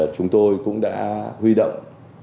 chúng tôi cũng đã huy động